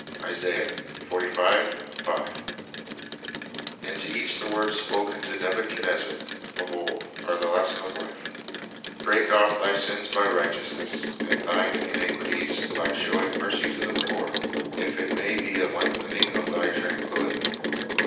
b And to each the words spoken to Nebuchadnezzar of old are the lesson of life: "Break off thy sins by righteousness, and thine iniquities by showing mercy to the poor; if it may be a lengthening of thy tranquillity.'"'